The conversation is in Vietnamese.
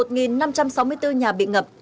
một năm trăm sáu mươi bốn nhà bị ngập